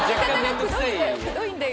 くどいんだよ。